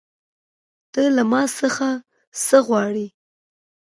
ته له ما څخه څه غواړې